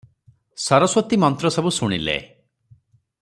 ସରସ୍ୱତୀ ମନ୍ତ୍ର ସବୁ ଶୁଣିଲେ ।